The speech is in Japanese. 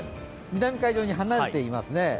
南海上に離れています。